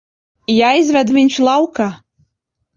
Jāizved viņš laukā.